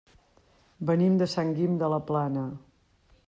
Venim de Sant Guim de la Plana.